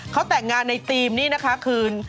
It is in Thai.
เขาแต่งงานในธีมนี่นะคะคืน